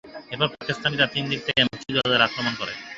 এরপর পাকিস্তানিরা তিন দিক থেকে মুক্তিযোদ্ধাদের আক্রমণ করে।